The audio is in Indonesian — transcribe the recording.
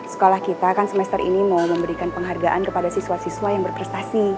sekolah kita kan semester ini mau memberikan penghargaan kepada siswa siswa yang berprestasi